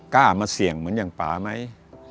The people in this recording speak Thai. กล้ามาเสี่ยงเหมือนอย่างป่าไหม